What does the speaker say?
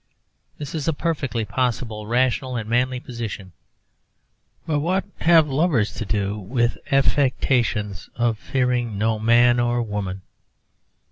This is a perfectly possible, rational and manly position. But what have lovers to do with ridiculous affectations of fearing no man or woman?